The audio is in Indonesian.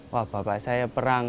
wah bapak saya perang